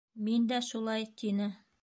— Мин дә шулай, — тине.